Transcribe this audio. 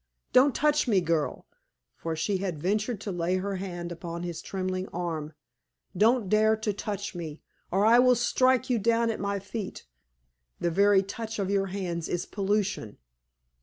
Don't touch me, girl!" for she had ventured to lay her hand upon his trembling arm "don't dare to touch me, or I will strike you down at my feet! The very touch of your hands is pollution!"